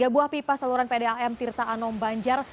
tiga buah pipa saluran pdam tirta anom banjar